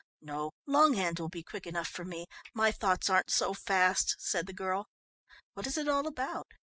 "No, longhand will be quick enough for me. My thoughts aren't so fast," said the girl. "What is it all about?"